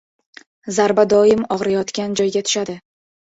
• Zarba doim og‘riyotgan joyga tushadi.